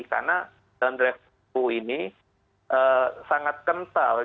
karena draft ruu ini sangat kental